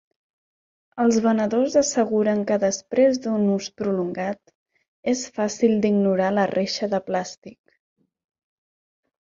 Els venedors asseguren que després d'un ús prolongat, és fàcil d'ignorar la reixa de plàstic.